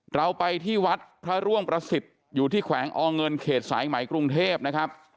เราไปที่วัดพระร่วงประสิทธิ์อยู่ที่แขวงอเงินเขตสายไหมกรุงเทพนะครับ